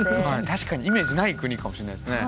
確かにイメージない国かもしれないですね。